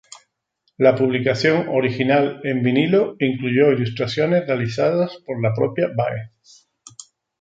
La publicación original en vinilo incluyó ilustraciones realizadas por la propia Baez.